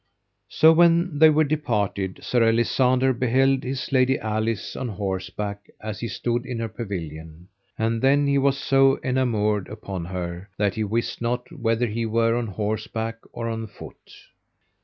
So when they were departed Sir Alisander beheld his lady Alice on horseback as he stood in her pavilion. And then was he so enamoured upon her that he wist not whether he were on horseback or on foot.